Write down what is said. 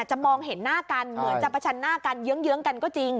มองเห็นหน้ากันเหมือนจะประชันหน้ากันเยื้องกันก็จริง